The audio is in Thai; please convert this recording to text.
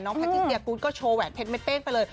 น้องพะทิเชียกุ๊ดก็โชว์แหวนเพชรแม็กเป้งไปเลย